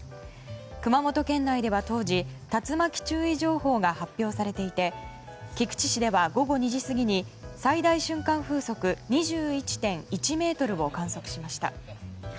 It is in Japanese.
熊本県内では当時竜巻注意情報が発表されていて菊池市では午後２時過ぎに最大瞬間風速２１．１メートルを観測しました。